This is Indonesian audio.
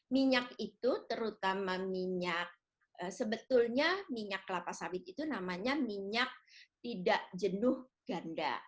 minyak itu terutama minyak sebetulnya minyak kelapa sawit itu namanya minyak tidak jenuh ganda